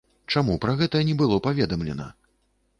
Чаму пра гэта не было паведамлена?